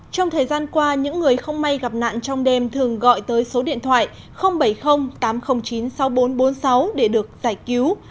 trong thời gian qua những người không may gặp nạn trong đêm thường gọi tới số điện thoại bảy mươi tám trăm linh chín sáu nghìn bốn trăm bốn mươi sáu để được giải cứu